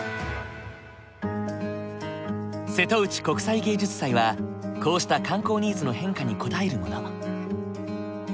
瀬戸内国際芸術祭はこうした観光ニーズの変化に応えるもの。